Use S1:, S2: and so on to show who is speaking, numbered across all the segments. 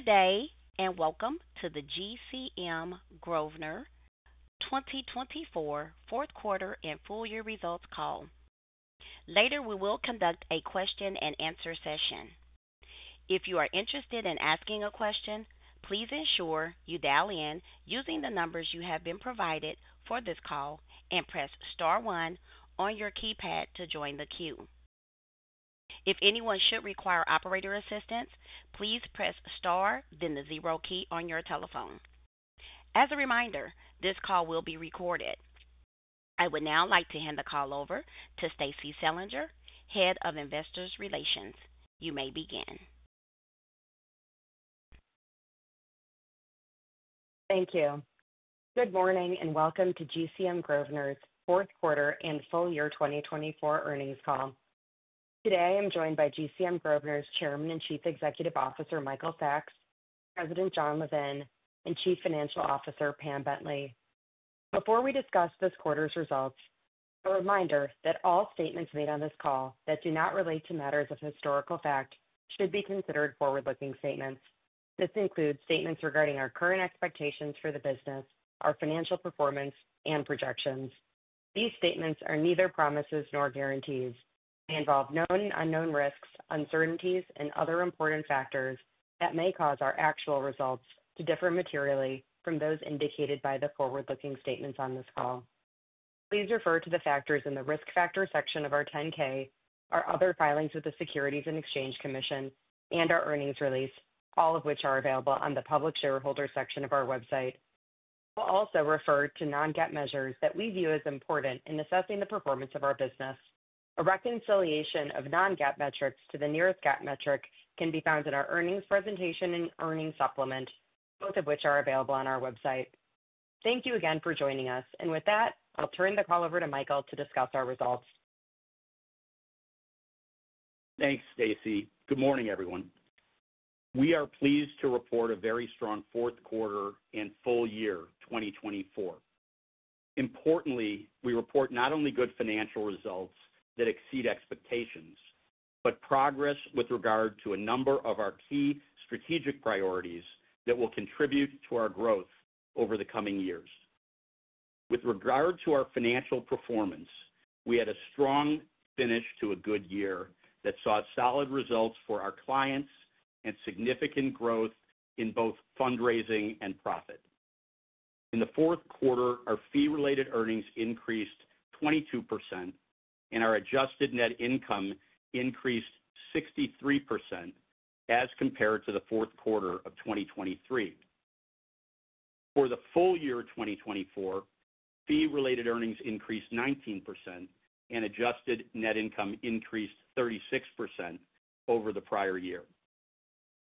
S1: Good day and welcome to the GCM Grosvenor 2024 fourth quarter and full year results call. Later, we will conduct a question-and-answer session. If you are interested in asking a question, please ensure you dial in using the numbers you have been provided for this call and press star one on your keypad to join the queue. If anyone should require operator assistance, please press star, then the zero key on your telephone. As a reminder, this call will be recorded. I would now like to hand the call over to Stacie Selinger, Head of Investor Relations. You may begin.
S2: Thank you. Good morning and welcome to GCM Grosvenor's fourth quarter and full year 2024 earnings call. Today, I am joined by GCM Grosvenor's Chairman and Chief Executive Officer, Michael Sacks, President Jon Levin, and Chief Financial Officer, Pam Bentley. Before we discuss this quarter's results, a reminder that all statements made on this call that do not relate to matters of historical fact should be considered forward-looking statements. This includes statements regarding our current expectations for the business, our financial performance, and projections. These statements are neither promises nor guarantees. They involve known and unknown risks, uncertainties, and other important factors that may cause our actual results to differ materially from those indicated by the forward-looking statements on this call. Please refer to the factors in the risk factor section of our 10-K, our other filings with the Securities and Exchange Commission, and our earnings release, all of which are available on the public shareholder section of our website. We'll also refer to non-GAAP measures that we view as important in assessing the performance of our business. A reconciliation of non-GAAP metrics to the nearest GAAP metric can be found in our earnings presentation and earnings supplement, both of which are available on our website. Thank you again for joining us. With that, I'll turn the call over to Michael to discuss our results.
S3: Thanks, Stacie. Good morning, everyone. We are pleased to report a very strong fourth quarter and full year 2024. Importantly, we report not only good financial results that exceed expectations, but progress with regard to a number of our key strategic priorities that will contribute to our growth over the coming years. With regard to our financial performance, we had a strong finish to a good year that saw solid results for our clients and significant growth in both fundraising and profit. In the fourth quarter, our fee-related earnings increased 22%, and our adjusted net income increased 63% as compared to the fourth quarter of 2023. For the full year 2024, fee-related earnings increased 19%, and adjusted net income increased 36% over the prior year.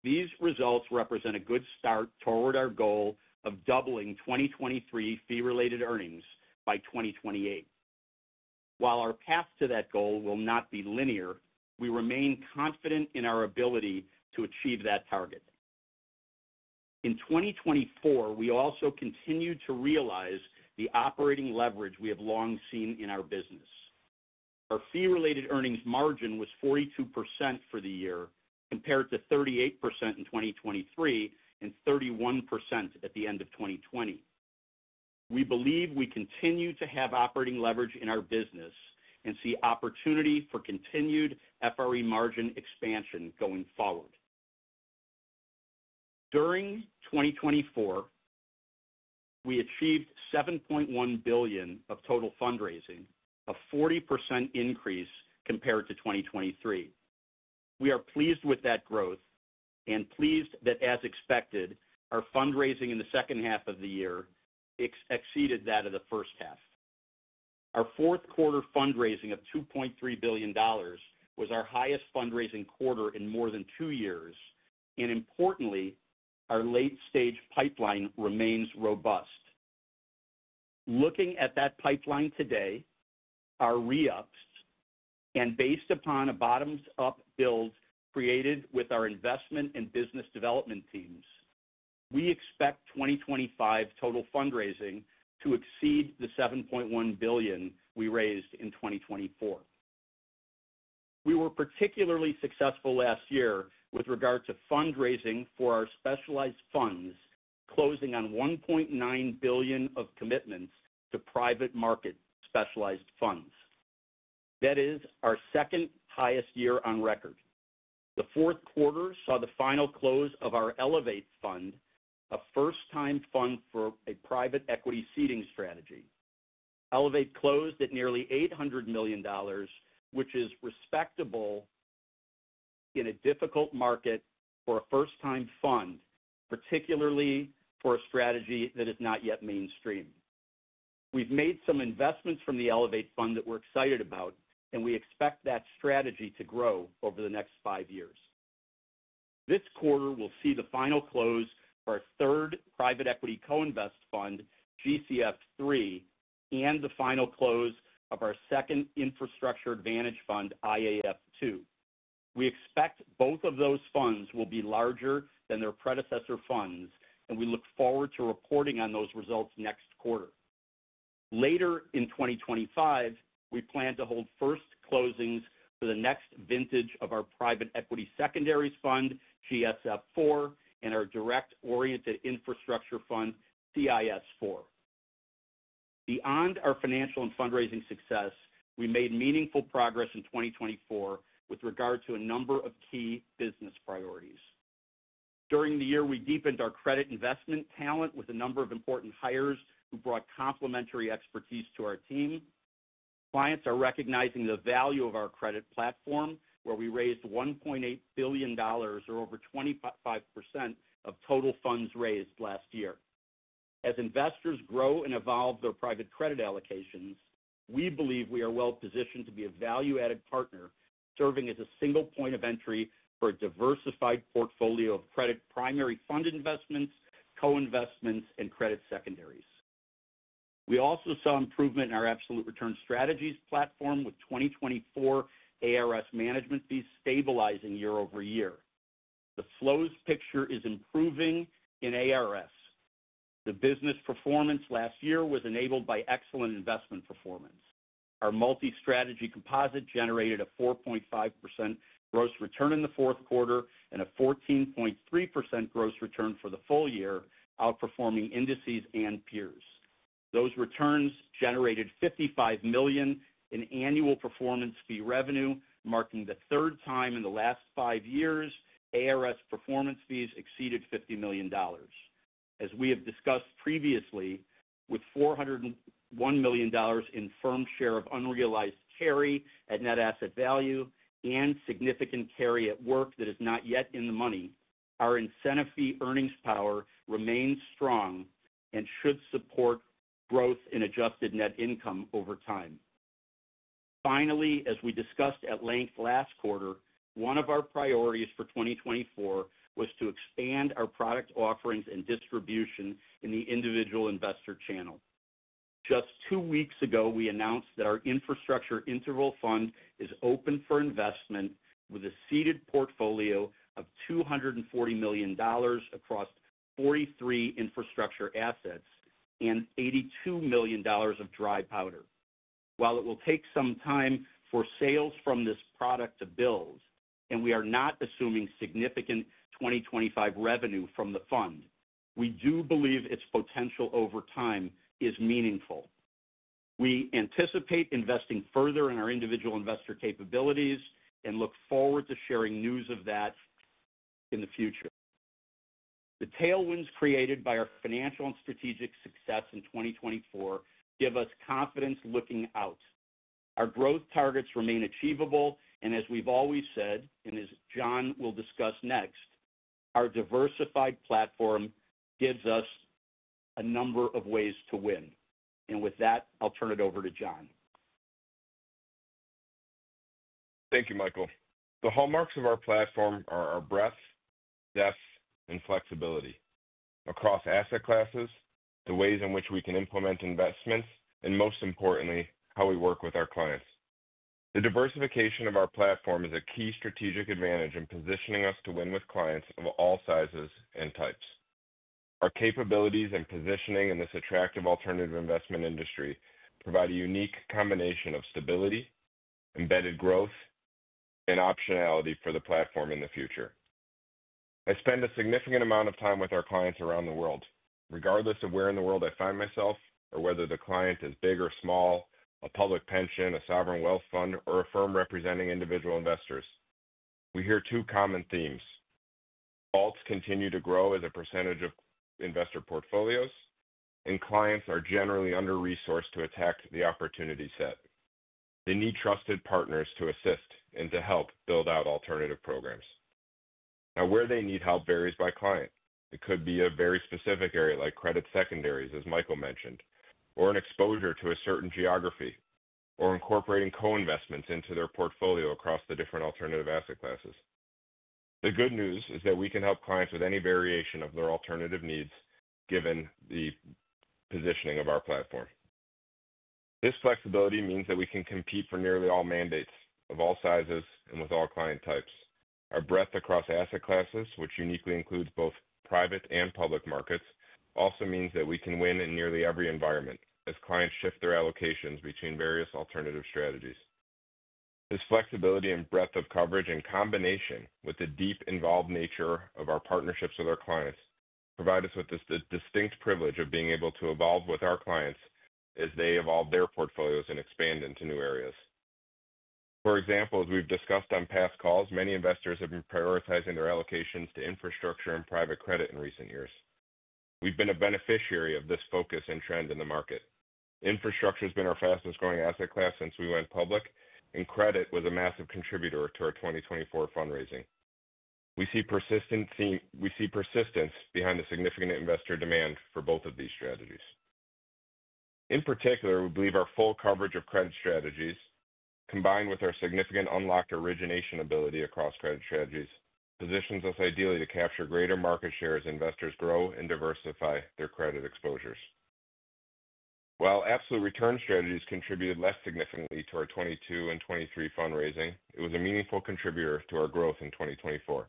S3: These results represent a good start toward our goal of doubling 2023 fee-related earnings by 2028. While our path to that goal will not be linear, we remain confident in our ability to achieve that target. In 2024, we also continue to realize the operating leverage we have long seen in our business. Our fee-related earnings margin was 42% for the year, compared to 38% in 2023 and 31% at the end of 2020. We believe we continue to have operating leverage in our business and see opportunity for continued FRE margin expansion going forward. During 2024, we achieved $7.1 billion of total fundraising, a 40% increase compared to 2023. We are pleased with that growth and pleased that, as expected, our fundraising in the second half of the year exceeded that of the first half, and importantly, our late-stage pipeline remains robust. Looking at that pipeline today, our re-ups, and based upon a bottoms-up build created with our investment and business development teams, we expect 2025 total fundraising to exceed the $7.1 billion we raised in 2024. We were particularly successful last year with regard to fundraising for our specialized funds, closing on $1.9 billion of commitments to Private Markets specialized funds. That is our second highest year on record. The fourth quarter saw the final close of our Elevate fund, a first-time fund for a private equity seeding strategy. Elevate closed at nearly $800 million, which is respectable in a difficult market for a first-time fund, particularly for a strategy that is not yet mainstream. We've made some investments from the Elevate fund that we're excited about, and we expect that strategy to grow over the next five years. This quarter, we'll see the final close of our third private equity co-invest fund, GCF III, and the final close of our second Infrastructure Advantage Fund, IAF II. We expect both of those funds will be larger than their predecessor funds, and we look forward to reporting on those results next quarter. Later in 2025, we plan to hold first closings for the next vintage of our private equity secondaries fund, GSF IV, and our direct-oriented infrastructure fund, CIS IV. Beyond our financial and fundraising success, we made meaningful progress in 2024 with regard to a number of key business priorities. During the year, we deepened our credit investment talent with a number of important hires who brought complementary expertise to our team. Clients are recognizing the value of our credit platform, where we raised $1.8 billion, or over 25% of total funds raised last year. As investors grow and evolve their private credit allocations, we believe we are well-positioned to be a value-added partner, serving as a single point of entry for a diversified portfolio of credit primary fund investments, co-investments, and credit secondaries. We also saw improvement in our Absolute Return Strategies platform, with 2024 ARS management fees stabilizing year over year. The flows picture is improving in ARS. The business performance last year was enabled by excellent investment performance. Our multi-strategy composite generated a 4.5% gross return in the fourth quarter and a 14.3% gross return for the full year, outperforming indices and peers. Those returns generated $55 million in annual performance fee revenue, marking the third time in the last five years ARS performance fees exceeded $50 million. As we have discussed previously, with $401 million in firm share of unrealized carry at net asset value and significant carry at work that is not yet in the money, our incentive fee earnings power remains strong and should support growth in adjusted net income over time. Finally, as we discussed at length last quarter, one of our priorities for 2024 was to expand our product offerings and distribution in the individual investor channel. Just two weeks ago, we announced that our Infrastructure Interval Fund is open for investment, with a seeded portfolio of $240 million across 43 infrastructure assets and $82 million of dry powder. While it will take some time for sales from this product to build, and we are not assuming significant 2025 revenue from the fund, we do believe its potential over time is meaningful. We anticipate investing further in our individual investor capabilities and look forward to sharing news of that in the future. The tailwinds created by our financial and strategic success in 2024 give us confidence looking out. Our growth targets remain achievable. And as we've always said, and as Jon will discuss next, our diversified platform gives us a number of ways to win. And with that, I'll turn it over to Jon.
S4: Thank you, Michael. The hallmarks of our platform are our breadth, depth, and flexibility across asset classes, the ways in which we can implement investments, and most importantly, how we work with our clients. The diversification of our platform is a key strategic advantage in positioning us to win with clients of all sizes and types. Our capabilities and positioning in this attractive alternative investment industry provide a unique combination of stability, embedded growth, and optionality for the platform in the future. I spend a significant amount of time with our clients around the world, regardless of where in the world I find myself or whether the client is big or small, a public pension, a sovereign wealth fund, or a firm representing individual investors. We hear two common themes. Alts continue to grow as a percentage of investor portfolios, and clients are generally under-resourced to attack the opportunity set. They need trusted partners to assist and to help build out alternative programs. Now, where they need help varies by client. It could be a very specific area like credit secondaries, as Michael mentioned, or an exposure to a certain geography, or incorporating co-investments into their portfolio across the different alternative asset classes. The good news is that we can help clients with any variation of their alternative needs given the positioning of our platform. This flexibility means that we can compete for nearly all mandates of all sizes and with all client types. Our breadth across asset classes, which uniquely includes both private and public markets, also means that we can win in nearly every environment as clients shift their allocations between various alternative strategies. This flexibility and breadth of coverage, in combination with the deep involved nature of our partnerships with our clients, provide us with the distinct privilege of being able to evolve with our clients as they evolve their portfolios and expand into new areas. For example, as we've discussed on past calls, many investors have been prioritizing their allocations to infrastructure and private credit in recent years. We've been a beneficiary of this focus and trend in the market. Infrastructure has been our fastest-growing asset class since we went public, and credit was a massive contributor to our 2024 fundraising. We see persistence behind the significant investor demand for both of these strategies. In particular, we believe our full coverage of credit strategies, combined with our significant unlocked origination ability across credit strategies, positions us ideally to capture greater market share as investors grow and diversify their credit exposures. While absolute return strategies contributed less significantly to our 2022 and 2023 fundraising, it was a meaningful contributor to our growth in 2024.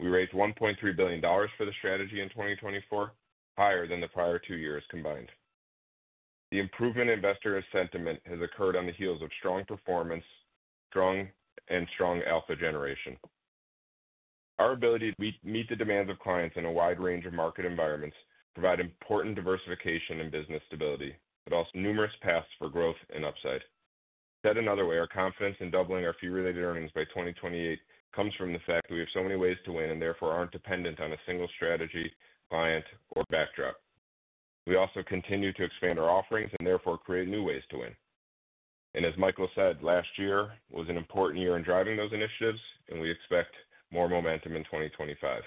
S4: We raised $1.3 billion for the strategy in 2024, higher than the prior two years combined. The improvement in investor sentiment has occurred on the heels of strong performance and strong alpha generation. Our ability to meet the demands of clients in a wide range of market environments provides important diversification and business stability, but also numerous paths for growth and upside. Said another way, our confidence in doubling our fee-related earnings by 2028 comes from the fact that we have so many ways to win and therefore aren't dependent on a single strategy, client, or backdrop. We also continue to expand our offerings and therefore create new ways to win. And as Michael said, last year was an important year in driving those initiatives, and we expect more momentum in 2025.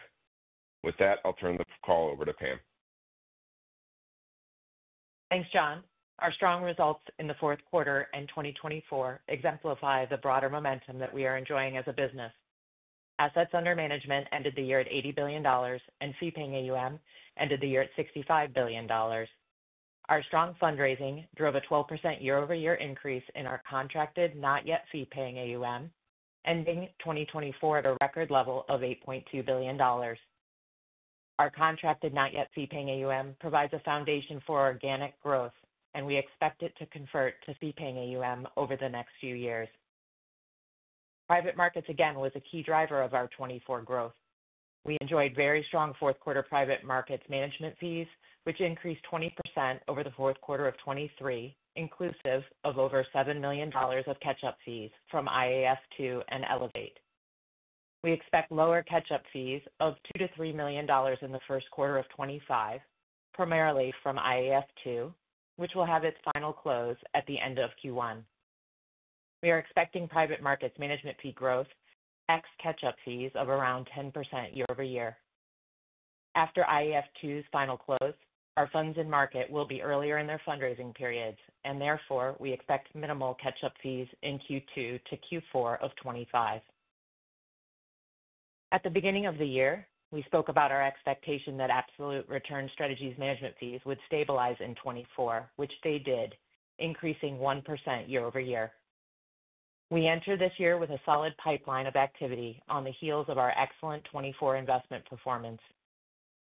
S4: With that, I'll turn the call over to Pam.
S5: Thanks, Jon. Our strong results in the fourth quarter and 2024 exemplify the broader momentum that we are enjoying as a business. Assets under management ended the year at $80 billion, and fee-paying AUM ended the year at $65 billion. Our strong fundraising drove a 12% year-over-year increase in our contracted, not-yet-fee-paying AUM, ending 2024 at a record level of $8.2 billion. Our contracted, not-yet-fee-paying AUM provides a foundation for organic growth, and we expect it to convert to fee-paying AUM over the next few years. Private markets, again, was a key driver of our 2024 growth. We enjoyed very strong fourth-quarter private markets management fees, which increased 20% over the fourth quarter of 2023, inclusive of over $7 million of catch-up fees from IAF II and Elevate. We expect lower catch-up fees of $2-$3 million in the first quarter of 2025, primarily from IAF II, which will have its final close at the end of Q1. We are expecting private markets management fee growth to ex catch-up fees of around 10% year-over-year. After IAF II's final close, our funds in market will be earlier in their fundraising periods, and therefore we expect minimal catch-up fees in Q2 to Q4 of 2025. At the beginning of the year, we spoke about our expectation that absolute return strategies management fees would stabilize in 2024, which they did, increasing 1% year-over-year. We enter this year with a solid pipeline of activity on the heels of our excellent 2024 investment performance.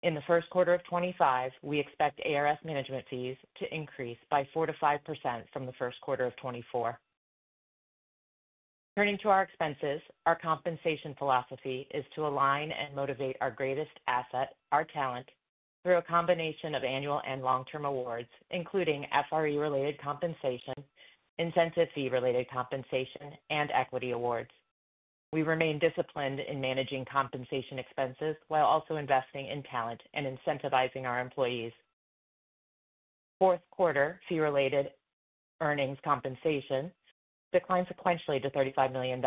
S5: In the first quarter of 2025, we expect ARS management fees to increase by 4%-5% from the first quarter of 2024. Turning to our expenses, our compensation philosophy is to align and motivate our greatest asset, our talent, through a combination of annual and long-term awards, including FRE-related compensation, incentive fee-related compensation, and equity awards. We remain disciplined in managing compensation expenses while also investing in talent and incentivizing our employees. Fourth quarter fee-related earnings compensation declined sequentially to $35 million.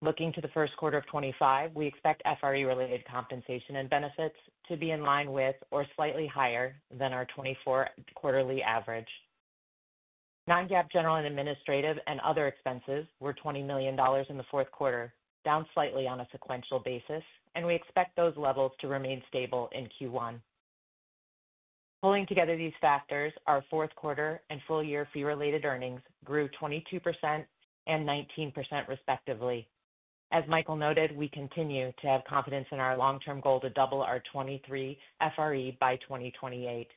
S5: Looking to the first quarter of 2025, we expect FRE-related compensation and benefits to be in line with or slightly higher than our 2024 quarterly average. Non-GAAP general and administrative and other expenses were $20 million in the fourth quarter, down slightly on a sequential basis, and we expect those levels to remain stable in Q1. Pulling together these factors, our fourth quarter and full-year fee-related earnings grew 22% and 19%, respectively. As Michael noted, we continue to have confidence in our long-term goal to double our 2023 FRE by 2028.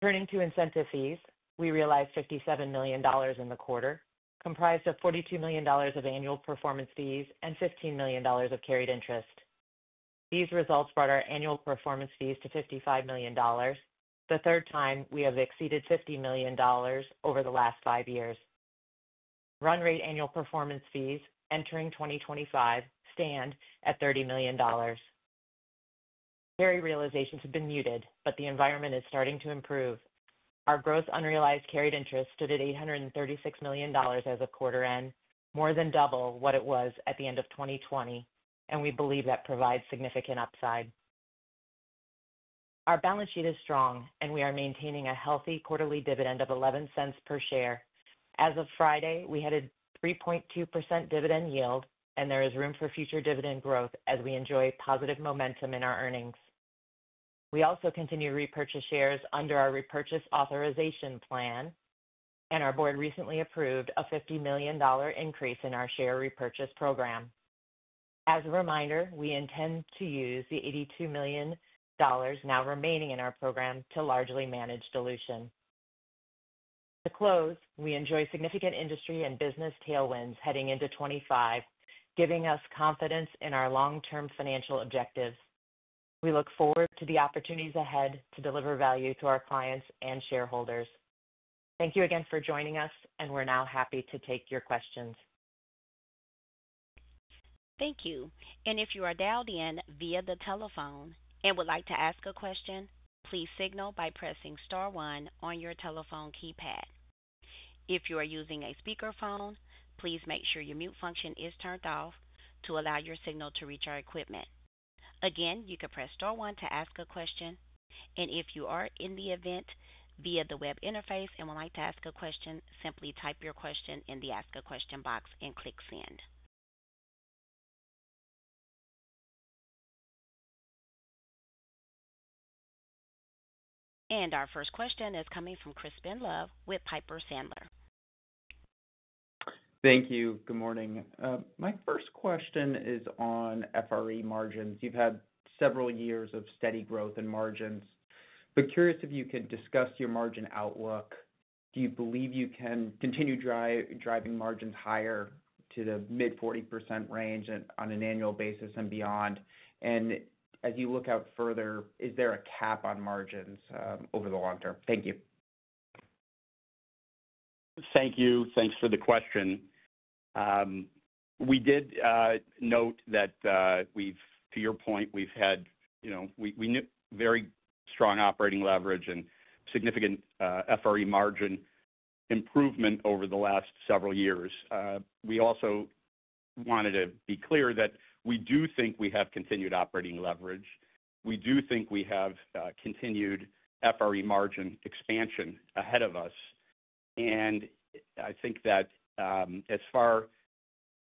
S5: Turning to incentive fees, we realized $57 million in the quarter, comprised of $42 million of annual performance fees and $15 million of carried interest. These results brought our annual performance fees to $55 million, the third time we have exceeded $50 million over the last five years. Run-rate annual performance fees entering 2025 stand at $30 million. Carry realizations have been muted, but the environment is starting to improve. Our gross unrealized carried interest stood at $836 million as of quarter end, more than double what it was at the end of 2020, and we believe that provides significant upside. Our balance sheet is strong, and we are maintaining a healthy quarterly dividend of $0.11 per share. As of Friday, we had a 3.2% dividend yield, and there is room for future dividend growth as we enjoy positive momentum in our earnings. We also continue to repurchase shares under our repurchase authorization plan, and our board recently approved a $50 million increase in our share repurchase program. As a reminder, we intend to use the $82 million now remaining in our program to largely manage dilution. To close, we enjoy significant industry and business tailwinds heading into 2025, giving us confidence in our long-term financial objectives. We look forward to the opportunities ahead to deliver value to our clients and shareholders. Thank you again for joining us, and we're now happy to take your questions.
S1: Thank you. And if you are dialed in via the telephone and would like to ask a question, please signal by pressing Star 1 on your telephone keypad. If you are using a speakerphone, please make sure your mute function is turned off to allow your signal to reach our equipment. Again, you can press Star 1 to ask a question. And if you are in the event via the web interface and would like to ask a question, simply type your question in the Ask a Question box and click Send. And our first question is coming from Crispin Love with Piper Sandler.
S6: Thank you. Good morning. My first question is on FRE margins. You've had several years of steady growth in margins, but curious if you could discuss your margin outlook. Do you believe you can continue driving margins higher to the mid-40% range on an annual basis and beyond? And as you look out further, is there a cap on margins over the long term? Thank you.
S3: Thank you. Thanks for the question. We did note that, to your point, we've had very strong operating leverage and significant FRE margin improvement over the last several years. We also wanted to be clear that we do think we have continued operating leverage. We do think we have continued FRE margin expansion ahead of us. And I think that as far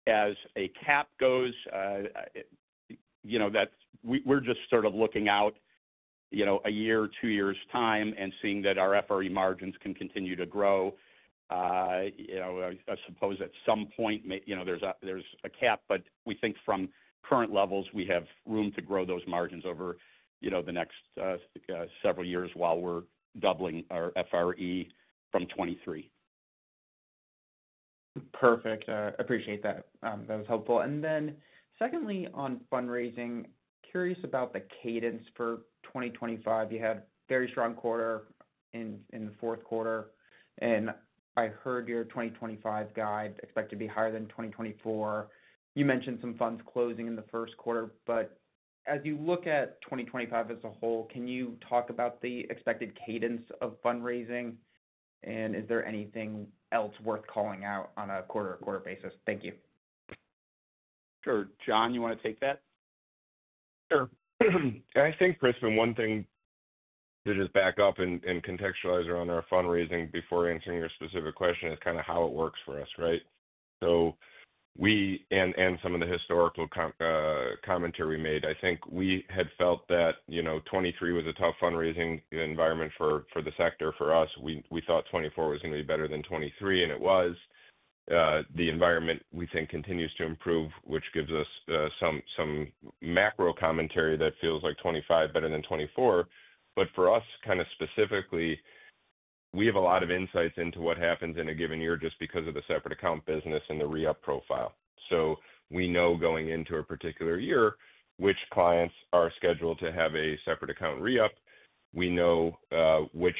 S3: as a cap goes, we're just sort of looking out a year, two years' time and seeing that our FRE margins can continue to grow. I suppose at some point there's a cap, but we think from current levels, we have room to grow those margins over the next several years while we're doubling our FRE from 2023.
S6: Perfect. I appreciate that. That was helpful. And then secondly, on fundraising, curious about the cadence for 2025. You had a very strong quarter in the fourth quarter, and I heard your 2025 guide expected to be higher than 2024. You mentioned some funds closing in the first quarter, but as you look at 2025 as a whole, can you talk about the expected cadence of fundraising, and is there anything else worth calling out on a quarter-to-quarter basis? Thank you.
S3: Sure. Jon, you want to take that?
S4: Sure. I think, Chris, one thing to just back up and contextualize around our fundraising before answering your specific question is kind of how it works for us, right, so and some of the historical commentary we made, I think we had felt that 2023 was a tough fundraising environment for the sector. For us, we thought 2024 was going to be better than 2023, and it was. The environment, we think, continues to improve, which gives us some macro commentary that feels like 2025 better than 2024. But for us, kind of specifically, we have a lot of insights into what happens in a given year just because of the separate account business and the re-up profile, so we know going into a particular year which clients are scheduled to have a separate account re-up. We know which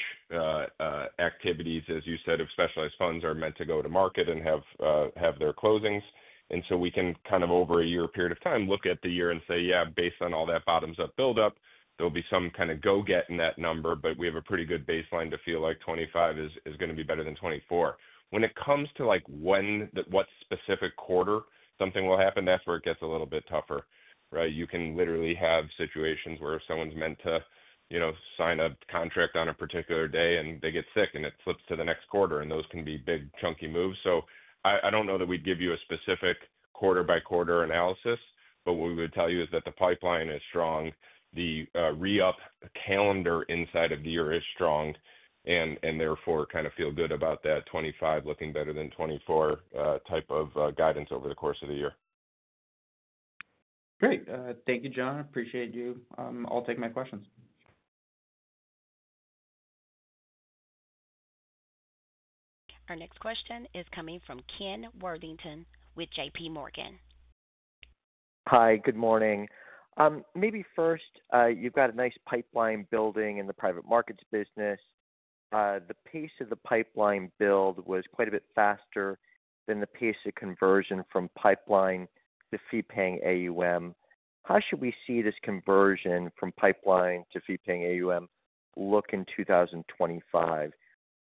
S4: activities, as you said, of specialized funds are meant to go to market and have their closings. And so we can kind of over a year period of time look at the year and say, "Yeah, based on all that bottoms-up build-up, there'll be some kind of growth in that number," but we have a pretty good baseline to feel like 2025 is going to be better than 2024. When it comes to what specific quarter something will happen, that's where it gets a little bit tougher, right? You can literally have situations where someone's meant to sign a contract on a particular day, and they get sick, and it flips to the next quarter, and those can be big, chunky moves. So I don't know that we'd give you a specific quarter-by-quarter analysis, but what we would tell you is that the pipeline is strong, the re-up calendar inside of the year is strong, and therefore kind of feel good about that 2025 looking better than 2024 type of guidance over the course of the year.
S6: Great. Thank you, Jon. Appreciate you. I'll take my questions.
S1: Our next question is coming from Ken Worthington with J.P. Morgan.
S7: Hi. Good morning. Maybe first, you've got a nice pipeline building in the private markets business. The pace of the pipeline build was quite a bit faster than the pace of conversion from pipeline to fee-paying AUM. How should we see this conversion from pipeline to fee-paying AUM look in 2025?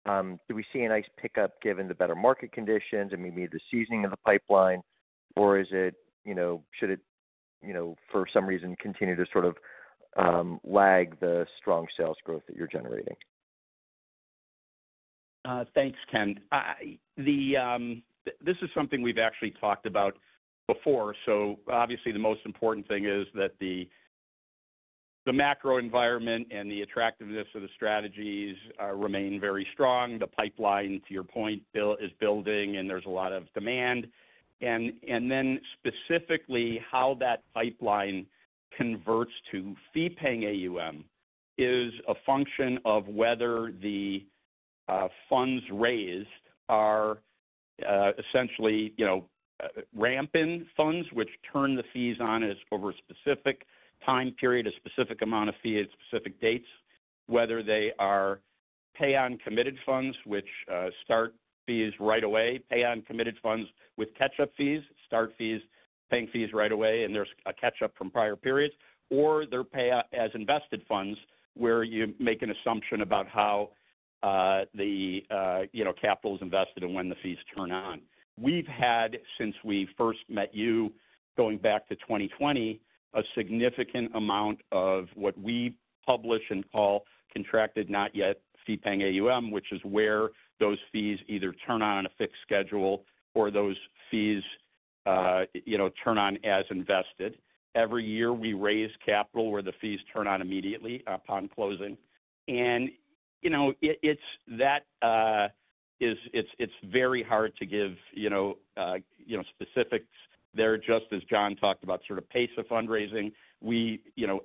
S7: Do we see a nice pickup given the better market conditions and maybe the seasoning of the pipeline, or should it, for some reason, continue to sort of lag the strong sales growth that you're generating?
S3: Thanks, Ken. This is something we've actually talked about before, so obviously, the most important thing is that the macro environment and the attractiveness of the strategies remain very strong. The pipeline, to your point, is building, and there's a lot of demand, and then specifically, how that pipeline converts to fee-paying AUM is a function of whether the funds raised are essentially ramp-in funds, which turn the fees on over a specific time period, a specific amount of fees, specific dates, whether they are pay-on-committed funds, which start fees right away, pay-on-committed funds with catch-up fees, start fees, paying fees right away, and there's a catch-up from prior periods, or they're pay-as-invested funds where you make an assumption about how the capital is invested and when the fees turn on. We've had, since we first met you going back to 2020, a significant amount of what we publish and call contracted not-yet-fee-paying AUM, which is where those fees either turn on a fixed schedule or those fees turn on as invested. Every year, we raise capital where the fees turn on immediately upon closing. It's very hard to give specifics there, just as John talked about, sort of pace of fundraising.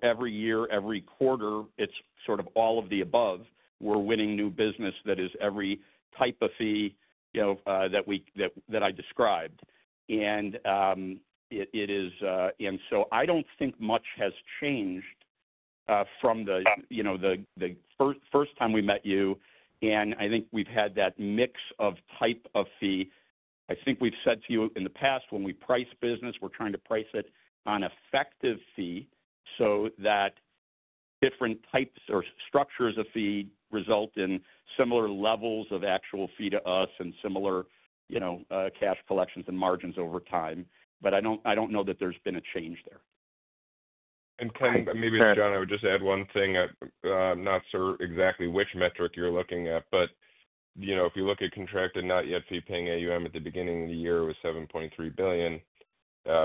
S3: Every year, every quarter, it's sort of all of the above. We're winning new business that is every type of fee that I described. So I don't think much has changed from the first time we met you. I think we've had that mix of type of fee. I think we've said to you in the past, when we price business, we're trying to price it on effective fee so that different types or structures of fee result in similar levels of actual fee to us and similar cash collections and margins over time. But I don't know that there's been a change there.
S4: Ken, maybe, Jon, I would just add one thing. I'm not sure exactly which metric you're looking at, but if you look at contracted not-yet-fee-paying AUM at the beginning of the year was $7.3 billion.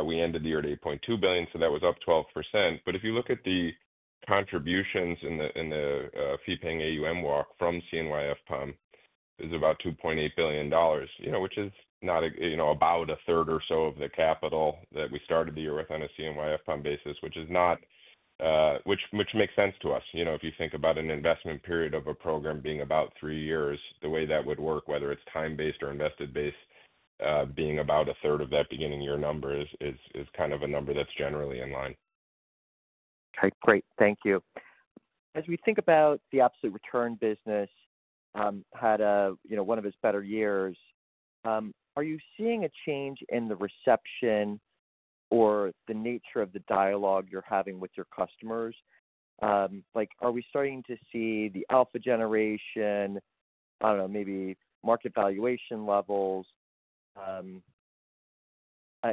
S4: We ended the year at $8.2 billion, so that was up 12%. But if you look at the contributions in the fee-paying AUM walk from CNYFPAUM, it was about $2.8 billion, which is about a third or so of the capital that we started the year with on a CNYFPAUM basis, which makes sense to us. If you think about an investment period of a program being about three years, the way that would work, whether it's time-based or invested-based, being about a third of that beginning year number is kind of a number that's generally in line.
S7: Okay. Great. Thank you. As we think about the absolute return business, had one of its better years, are you seeing a change in the reception or the nature of the dialogue you're having with your customers? Are we starting to see the alpha generation, I don't know, maybe market valuation levels?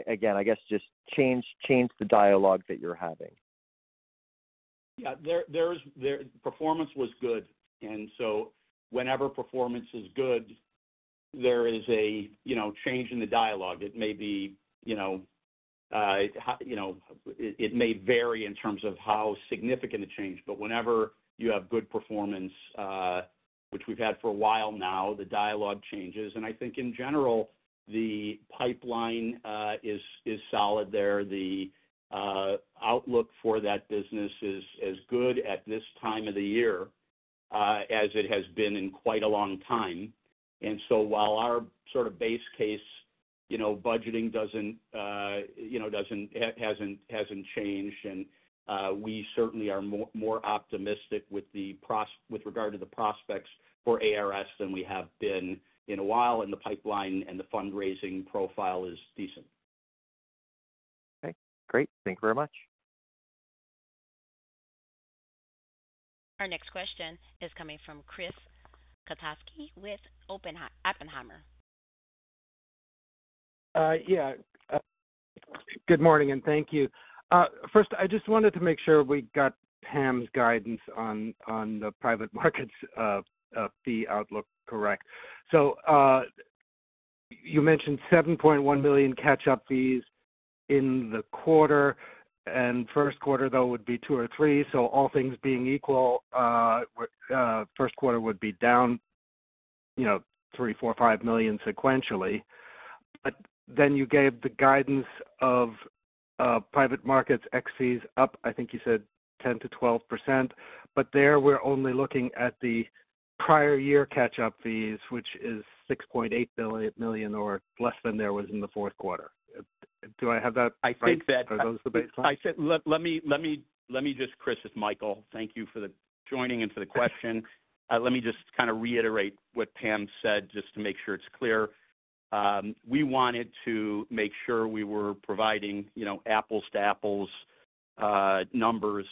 S7: Again, I guess just change the dialogue that you're having.
S3: Yeah. Performance was good. And so whenever performance is good, there is a change in the dialogue. It may vary in terms of how significant the change, but whenever you have good performance, which we've had for a while now, the dialogue changes. And I think in general, the pipeline is solid there. The outlook for that business is as good at this time of the year as it has been in quite a long time. And so while our sort of base case budgeting hasn't changed, and we certainly are more optimistic with regard to the prospects for ARS than we have been in a while, and the pipeline and the fundraising profile is decent.
S7: Okay. Great. Thank you very much.
S1: Our next question is coming from Chris Kotowski with Oppenheimer.
S8: Yeah. Good morning, and thank you. First, I just wanted to make sure we got Pam's guidance on the private markets fee outlook correct. So you mentioned $7.1 million catch-up fees in the quarter. And first quarter, though, would be two or three. So all things being equal, first quarter would be down $3-$5 million sequentially. But then you gave the guidance of private markets ex fees up, I think you said 10%-12%. But there, we're only looking at the prior year catch-up fees, which is $6.8 million or less than there was in the fourth quarter. Do I have that right?
S3: I think that.
S8: Or those are the baselines?
S3: Let me just, this is Michael. Thank you for the question. Let me just kind of reiterate what Pam said just to make sure it's clear. We wanted to make sure we were providing apples-to-apples numbers.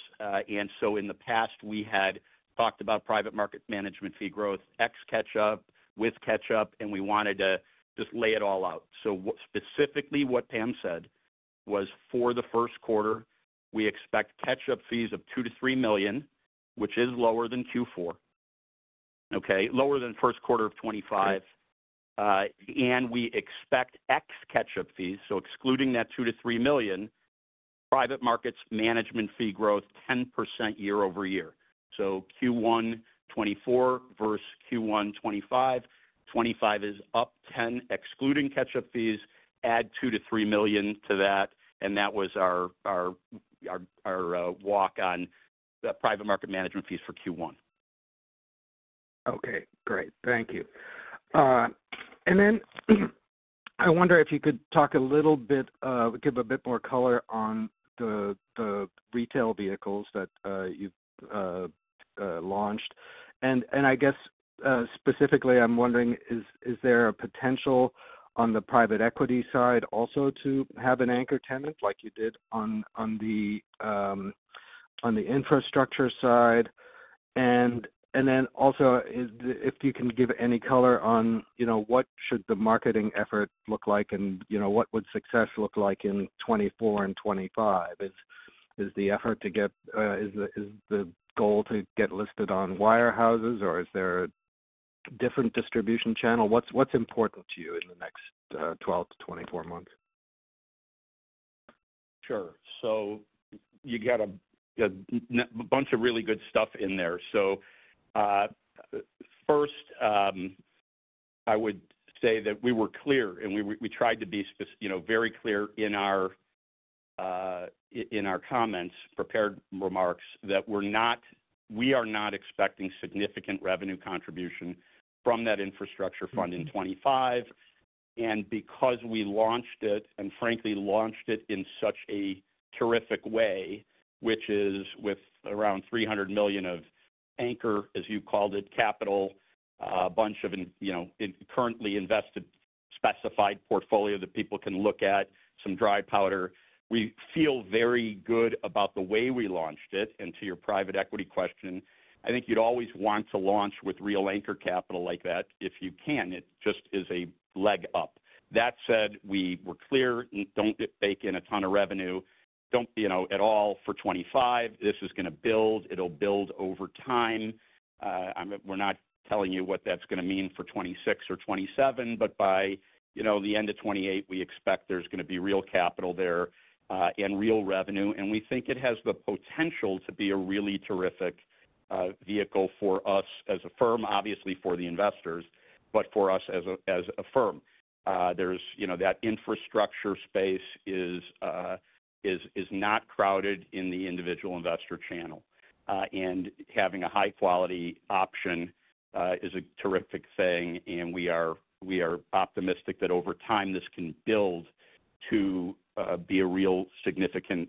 S3: In the past, we had talked about private market management fee growth, ex catch-up, with catch-up, and we wanted to just lay it all out. Specifically, what Pam said was for the first quarter, we expect catch-up fees of $2 million-$3 million, which is lower than Q4, okay, lower than first quarter of 2025. We expect ex catch-up fees, so excluding that $2 million-$3 million, private markets management fee growth 10% year over year. Q1 2024 versus Q1 2025, 2025 is up 10% excluding catch-up fees, add $2 million-$3 million to that, and that was our walk on private market management fees for Q1.
S8: Okay. Great. Thank you. And then I wonder if you could talk a little bit, give a bit more color on the retail vehicles that you've launched. And I guess specifically, I'm wondering, is there a potential on the private equity side also to have an anchor tenant like you did on the infrastructure side? And then also, if you can give any color on what should the marketing effort look like and what would success look like in 2024 and 2025? Is the effort to get, is the goal to get listed on wirehouses, or is there a different distribution channel? What's important to you in the next 12 to 24 months?
S3: Sure, so you got a bunch of really good stuff in there. So first, I would say that we were clear, and we tried to be very clear in our comments, prepared remarks, that we are not expecting significant revenue contribution from that infrastructure fund in 2025. And because we launched it, and frankly, launched it in such a terrific way, which is with around $300 million of anchor, as you called it, capital, a bunch of currently invested seeded portfolio that people can look at, some dry powder, we feel very good about the way we launched it. And to your private equity question, I think you'd always want to launch with real anchor capital like that if you can. It just is a leg up. That said, we were clear, "Don't bake in a ton of revenue at all for 2025. This is going to build. It'll build over time. We're not telling you what that's going to mean for 2026 or 2027, but by the end of 2028, we expect there's going to be real capital there and real revenue. And we think it has the potential to be a really terrific vehicle for us as a firm, obviously for the investors, but for us as a firm. That infrastructure space is not crowded in the individual investor channel. And having a high-quality option is a terrific thing. And we are optimistic that over time, this can build to be a real significant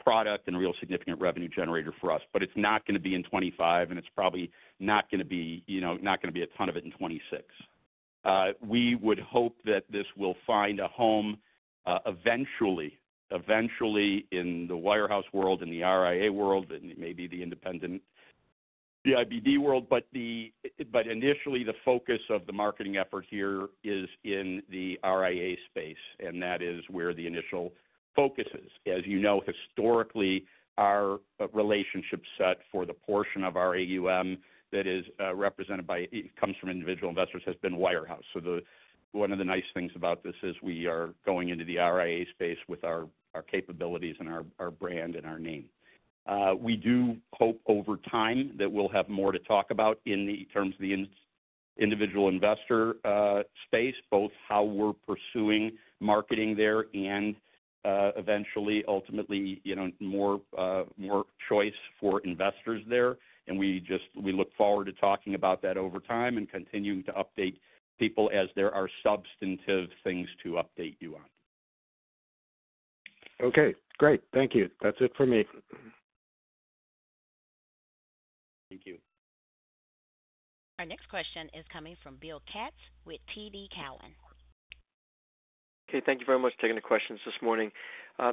S3: product and a real significant revenue generator for us. But it's not going to be in 2025, and it's probably not going to be a ton of it in 2026. We would hope that this will find a home eventually in the wirehouse world, in the RIA world, and maybe the independent IBD world. But initially, the focus of the marketing effort here is in the RIA space, and that is where the initial focus is. As you know, historically, our relationship set for the portion of our AUM that is represented by, comes from individual investors, has been wirehouse. So one of the nice things about this is we are going into the RIA space with our capabilities and our brand and our name. We do hope over time that we'll have more to talk about in terms of the individual investor space, both how we're pursuing marketing there and eventually, ultimately, more choice for investors there. And we look forward to talking about that over time and continuing to update people as there are substantive things to update you on.
S8: Okay. Great. Thank you. That's it for me.
S3: Thank you.
S1: Our next question is coming from Bill Katz with TD Cowen.
S9: Okay. Thank you very much for taking the questions this morning.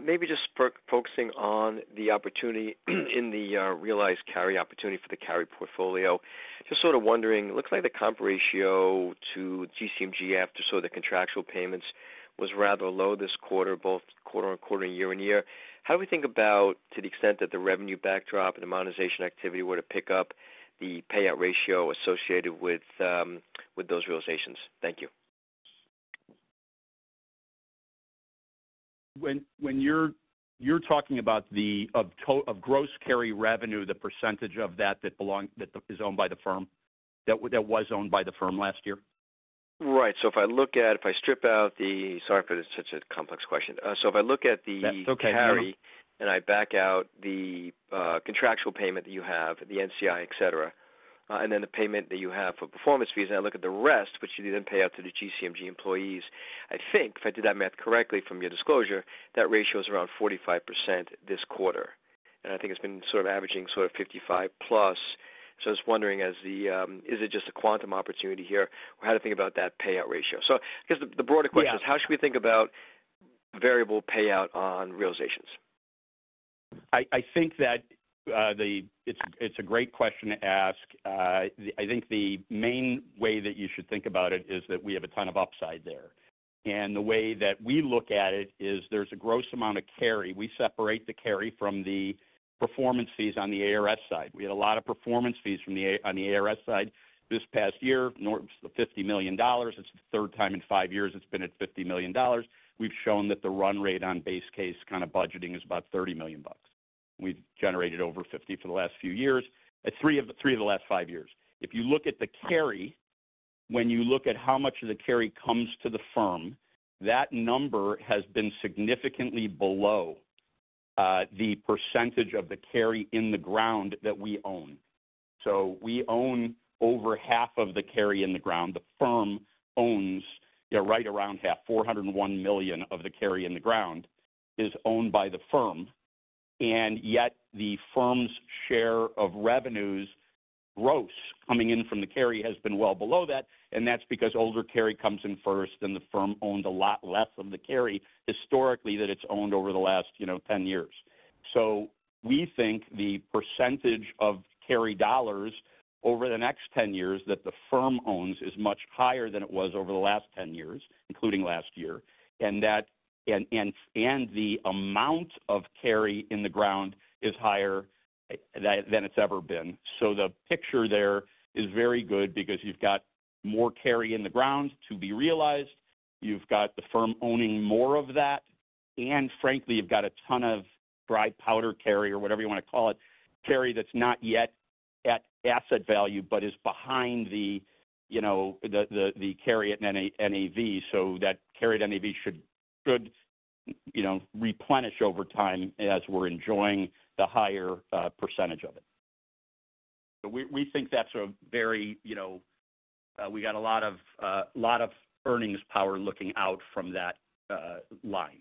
S9: Maybe just focusing on the opportunity in the realized carry opportunity for the carry portfolio. Just sort of wondering, it looks like the comp ratio to GCMG, just so the contractual payments was rather low this quarter, both quarter on quarter and year on year. How do we think about, to the extent that the revenue backdrop and the monetization activity were to pick up the payout ratio associated with those realizations? Thank you.
S3: When you're talking about the gross carry revenue, the percentage of that that is owned by the firm that was owned by the firm last year?
S9: Right. So if I look at - if I strip out the - sorry for the - it's such a complex question. So if I look at the carry.
S3: That's okay. Yeah.
S9: I back out the contractual payment that you have, the NCI, etc., and then the payment that you have for performance fees, and I look at the rest, which you then pay out to the GCMG employees, I think, if I did that math correctly from your disclosure, that ratio is around 45% this quarter. I think it's been sort of averaging sort of 55 plus. I was wondering, is it just a quantum opportunity here, or how do you think about that payout ratio? I guess the broader question is, how should we think about variable payout on realizations?
S3: I think that it's a great question to ask. I think the main way that you should think about it is that we have a ton of upside there. And the way that we look at it is there's a gross amount of carry. We separate the carry from the performance fees on the ARS side. We had a lot of performance fees on the ARS side this past year, north of $50 million. It's the third time in five years it's been at $50 million. We've shown that the run rate on base case kind of budgeting is about $30 million. We've generated over $50 million for the last few years, three of the last five years. If you look at the carry, when you look at how much of the carry comes to the firm, that number has been significantly below the percentage of the carry in the ground that we own. So we own over half of the carry in the ground. The firm owns right around half, $401 million of the carry in the ground is owned by the firm. And yet, the firm's share of revenues, gross coming in from the carry, has been well below that. And that's because older carry comes in first, and the firm owned a lot less of the carry historically that it's owned over the last 10 years. So we think the percentage of carry dollars over the next 10 years that the firm owns is much higher than it was over the last 10 years, including last year, and the amount of carry in the ground is higher than it's ever been. So the picture there is very good because you've got more carry in the ground to be realized. You've got the firm owning more of that. And frankly, you've got a ton of dry powder carry or whatever you want to call it, carry that's not yet at asset value but is behind the carry at NAV. So that carry at NAV should replenish over time as we're enjoying the higher percentage of it. So we think that's a very—we got a lot of earnings power looking out from that line.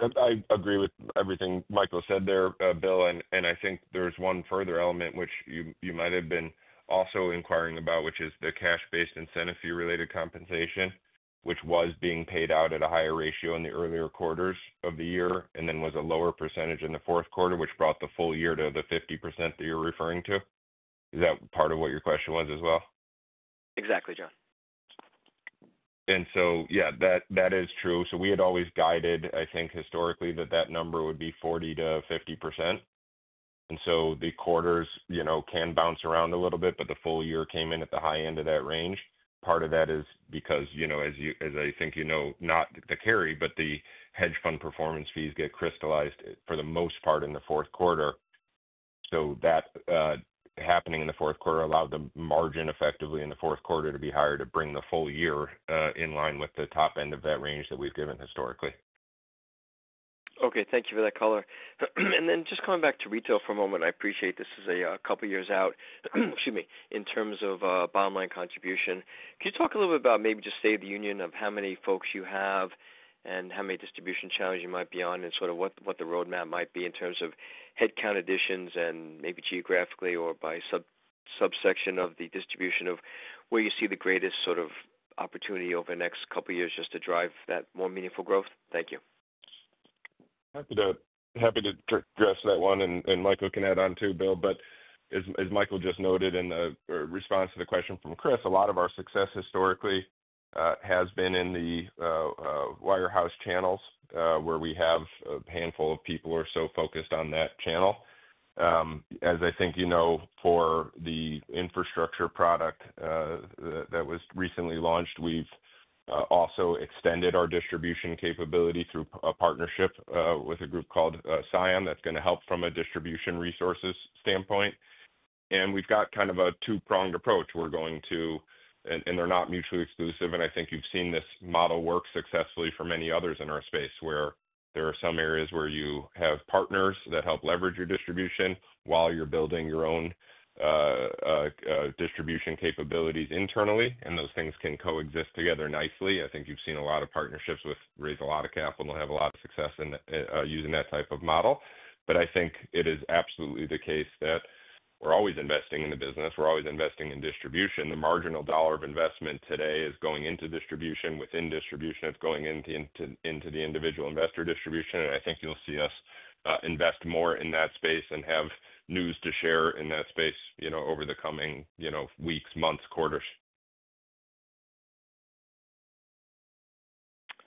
S4: I agree with everything Michael said there, Bill. And I think there's one further element which you might have been also inquiring about, which is the cash-based incentive fee-related compensation, which was being paid out at a higher ratio in the earlier quarters of the year and then was a lower percentage in the fourth quarter, which brought the full year to the 50% that you're referring to. Is that part of what your question was as well?
S3: Exactly, John.
S4: Yeah, that is true. We had always guided, I think, historically that that number would be 40%-50%. The quarters can bounce around a little bit, but the full year came in at the high end of that range. Part of that is because, as I think you know, not the carry, but the hedge fund performance fees get crystallized for the most part in the fourth quarter. That happening in the fourth quarter allowed the margin effectively in the fourth quarter to be higher to bring the full year in line with the top end of that range that we've given historically.
S9: Okay. Thank you for that color. And then just coming back to retail for a moment, I appreciate this is a couple of years out, excuse me, in terms of bottom-line contribution. Can you talk a little bit about maybe just state of the union of how many folks you have and how many distribution channels you might be on and sort of what the roadmap might be in terms of headcount additions and maybe geographically or by subsection of the distribution of where you see the greatest sort of opportunity over the next couple of years just to drive that more meaningful growth? Thank you.
S4: Happy to address that one. And Michael can add on too, Bill. But as Michael just noted in response to the question from Chris, a lot of our success historically has been in the wirehouse channels where we have a handful of people or so focused on that channel. As I think you know, for the infrastructure product that was recently launched, we've also extended our distribution capability through a partnership with a group called CION that's going to help from a distribution resources standpoint. And we've got kind of a two-pronged approach. We're going to—and they're not mutually exclusive. And I think you've seen this model work successfully for many others in our space where there are some areas where you have partners that help leverage your distribution while you're building your own distribution capabilities internally. And those things can coexist together nicely. I think you've seen a lot of partnerships raise a lot of capital, and they'll have a lot of success in using that type of model but I think it is absolutely the case that we're always investing in the business. We're always investing in distribution. The marginal dollar of investment today is going into distribution. Within distribution, it's going into the individual investor distribution and I think you'll see us invest more in that space and have news to share in that space over the coming weeks, months, quarters.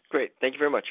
S3: Great. Thank you very much.